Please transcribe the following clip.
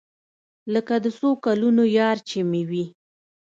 لکه د څو کلونو يار چې مې وي.